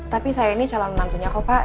tapi saya ini calon menantunya kok pak